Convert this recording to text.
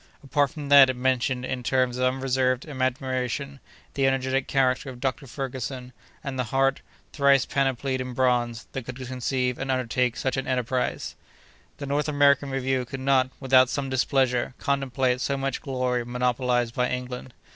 Apart from that, it mentioned, in terms of unreserved admiration, the energetic character of Dr. Ferguson, and the heart, thrice panoplied in bronze, that could conceive and undertake such an enterprise. The North American Review could not, without some displeasure, contemplate so much glory monopolized by England.